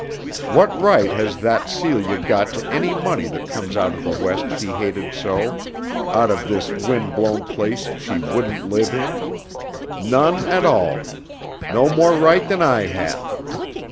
"What right has that Celia got to any money that comes out of the West she hated so, out of this wind blown place she wouldn't live in? None at all. No more right than I have.